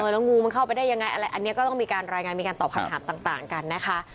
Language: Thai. แล้วงูมันเข้าไปได้ยังไงอะไรอันนี้ก็ต้องมีการรายงานมีการตอบคำถามต่างกันนะคะ